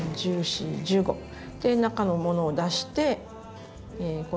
で中のものを出して今度は。